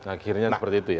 akhirnya seperti itu ya